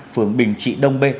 phường bình trị đông b